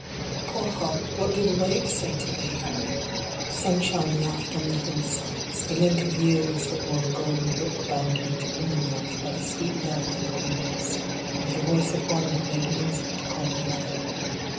IV. Poor Heart, what do the waves say to thee ? The sunshine laughed on the hill sides. The link of years that wore a golden look bound me to woman life by the sweet love of my Eros, and the voice of one who made music to call me mother.